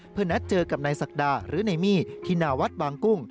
เพื่อนัดเจอกับนายศักดาหรือนายมี่ที่หน้าวัดบางกุ้ง